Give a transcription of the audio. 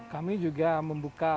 kami juga membuka